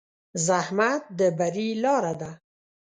زحمت د بری لاره ده.